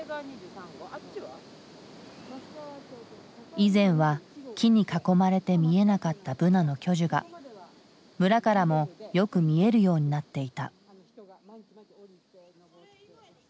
以前は木に囲まれて見えなかったブナの巨樹が村からもよく見えるようになっていた。